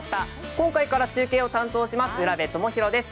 今回から中継を担当します浦部智弘です。